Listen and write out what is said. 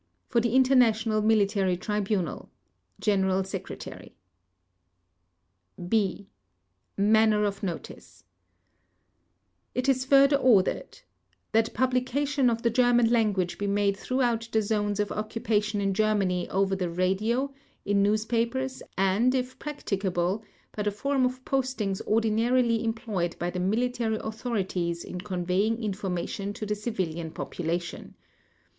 For the International Military Tribunal (no signature) General Secretary (b) Manner of Notice IT IS FURTHER ORDERED: THAT publication in the German language be made throughout the zones of occupation in Germany over the radio, in newspapers and, if practicable, by the form of postings ordinarily employed by the military authorities in conveying information to the civilian population.